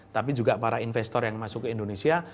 tapi juga para investor yang masuk ke indonesia